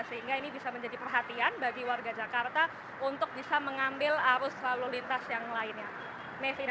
sehingga ini bisa menjadi perhatian bagi warga jakarta untuk bisa mengambil arus lalu lintas yang lainnya